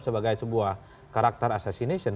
sebagai sebuah karakter assassination